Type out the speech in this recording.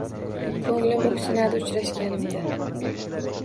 Ko’nglim o’ksinadi uchrashganimda